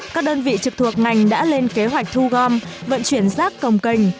các đơn vị trực thuộc ngành đã lên kế hoạch thu gom vận chuyển rác công cành